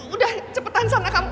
udah cepetan sana kamu